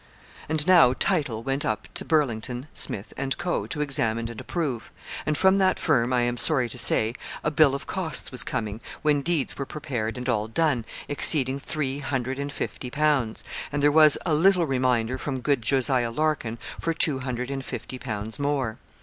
And now 'title' went up to Burlington, Smith, and Co. to examine and approve; and from that firm, I am sorry to say, a bill of costs was coming, when deeds were prepared and all done, exceeding three hundred and fifty pounds; and there was a little reminder from good Jos. Larkin for two hundred and fifty pounds more.